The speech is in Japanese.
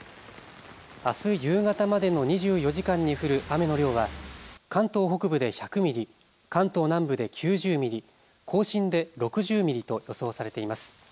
あす夕方までの２４時間に降る雨の量は関東北部で１００ミリ、関東南部で９０ミリ、甲信で６０ミリと予想されています。